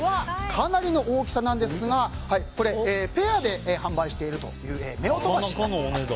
かなりの大きさなんですがペアで販売しているという夫婦箸になっています。